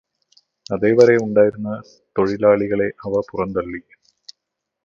അതേവരെ ഉണ്ടായിരുന്ന തൊഴിലാളികളെ അവ പുറന്തള്ളി.